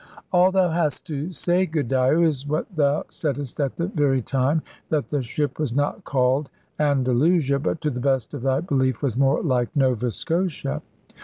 "All thou hast to say, good Dyo, is what thou saidest at the very time; that the ship was not called Andalusia, but to the best of thy belief was more like Nova Scotia.